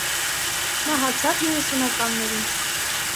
Մահացավ երեսունականներին: